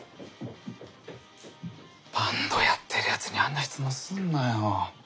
バンドやってるやつにあんな質問すんなよ。